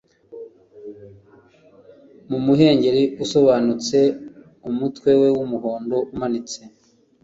mu muhengeri usobanutse umutwe we wumuhondo umanitse